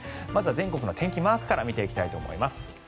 まずは全国の天気マークから見ていきたいと思います。